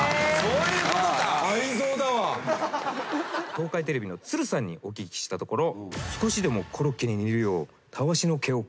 東海テレビの鶴さんにお聞きしたところ。